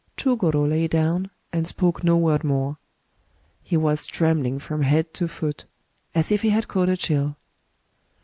Chugoro lay down, and spoke no word more. He was trembling from head to foot, as if he had caught a chill.